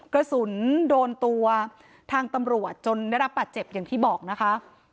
กระสุนโดนตัวทางตำรวจจนได้รับบาดเจ็บอย่างที่บอกนะคะ